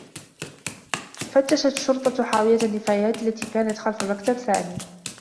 فتّشت الشّرطة حاوية النّفايات التي كانت خلف مكتب سامي.